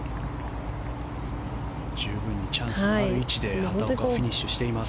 十分にチャンスのある位置で畑岡、フィニッシュしています。